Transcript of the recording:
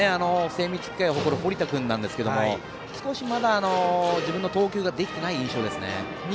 精密機械を誇る堀田君なんですが少しまだ自分の投球ができていない印象ですね。